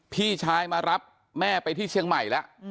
พี่ชายมารับแม่ไปที่เชียงใหม่แล้ว